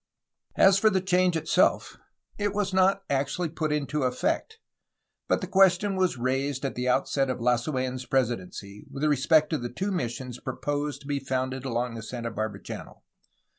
As for the change itself, it was not actually put into effect, but the question was raised at the outset of Lasu^n's presi dency with respect to the two missions proposed to be founded along the Santa Barbara Channel.